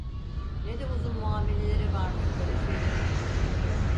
Ne de uzun muameleleri varmış böyle şeylerin.